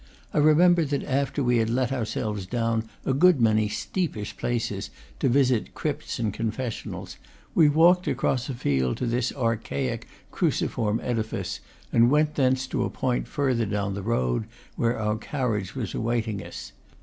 I remember that after we had let ourselves down a good many steepish places to visit crypts and con fessionals, we walked across a field to this archaic cruciform edifice, and went thence to a point further down the road, where our carriage was awaiting us.